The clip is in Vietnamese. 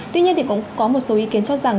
tuy nhiên thì cũng có một số ý kiến cho rằng